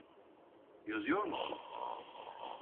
Yazıyor musun?